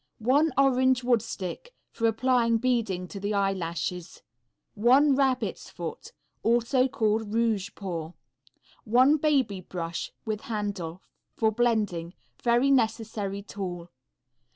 One Orange Wood Stick. For applying beading to the eyelashes. One Rabbit's Foot. Also called rouge paw. One Baby Brush, with handle. For blending. Very necessary tool.